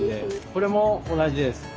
これも同じです。